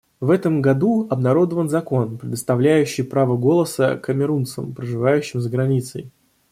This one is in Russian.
В этом году обнародован закон, предоставляющий право голоса камерунцам, проживающим за границей.